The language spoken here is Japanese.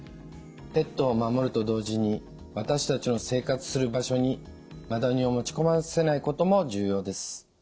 ペットを守ると同時に私たちの生活する場所にマダニを持ち込ませないことも重要です。